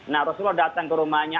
nah rasulullah datang ke rumahnya